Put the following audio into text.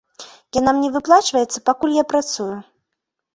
Яна мне выплачваецца, пакуль я працую.